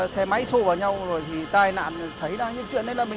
cái mật độ ở đây là quá đông